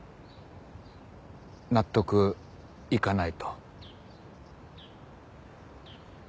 納得いかないと。